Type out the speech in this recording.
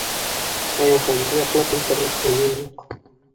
Айыуханды яҡлап әйтерлек дәлил юҡ.